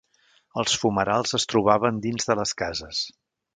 Els fumerals es trobaven dins de les cases.